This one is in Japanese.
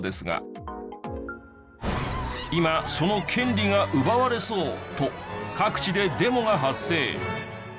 今その権利が奪われそうと各地でデモが発生。